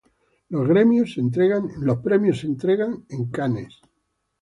Los premios se entregan en Cannes.